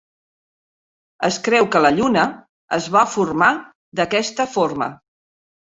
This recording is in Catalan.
Es creu que la Lluna es va formar d'aquesta forma.